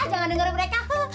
jangan dengerin mereka